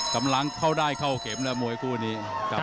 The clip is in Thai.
กำลังเข้าได้เข้าเข็มแล้วมวยคู่นี้